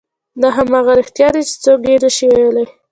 دا همغه رښتیا دي چې څوک یې نه شي ویلی.